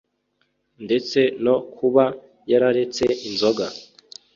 ndetse no kuba yararetse inzoga